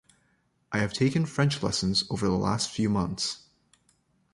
I have taken French lessons over the last few months.